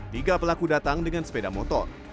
tiga pelaku datang dengan sepeda motor